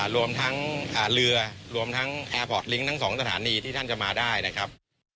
รวมทั้งเรือรวมทั้งแอร์พอร์ตลิงก์ทั้ง๒สถานีที่ท่านจะมาได้นะครับ